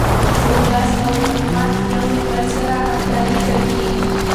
ولس او حکومت یو له بل سره همکاري کوي.